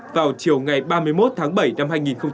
vào chiều ngày ba mươi một tháng bảy năm hai nghìn một mươi sáu